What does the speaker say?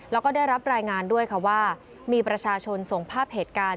แล้วก็ได้รับรายงานด้วยค่ะว่ามีประชาชนส่งภาพเหตุการณ์